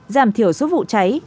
giảm thiểu số vụ cháy